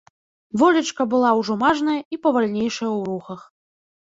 Волечка была ўжо мажная і павальнейшая ў рухах.